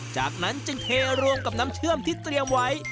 จากนั้นจึงเทรวมกับน้ำเชื่อมที่เตรียมไว้